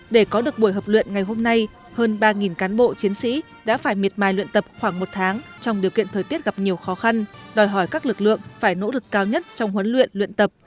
để có được buổi hợp luyện ngày hôm nay hơn ba cán bộ chiến sĩ đã phải miệt mài luyện tập khoảng một tháng trong điều kiện thời tiết gặp nhiều khó khăn đòi hỏi các lực lượng phải nỗ lực cao nhất trong huấn luyện luyện tập